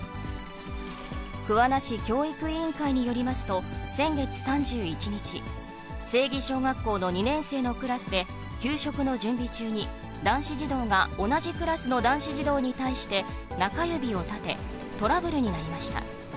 桑名市教育委員会によりますと、先月３１日、精義小学校の２年生のクラスで給食の準備中に、男子児童が同じクラスの男子児童に対して中指を立て、トラブルになりました。